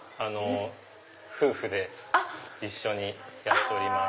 夫婦で一緒にやっております。